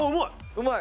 うまい！